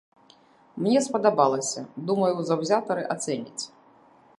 Мне спадабалася, думаю, заўзятары ацэняць.